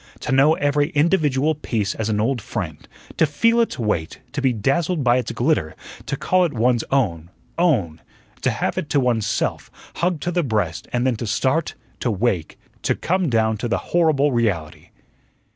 To know every individual piece as an old friend; to feel its weight; to be dazzled by its glitter; to call it one's own, own; to have it to oneself, hugged to the breast; and then to start, to wake, to come down to the horrible reality.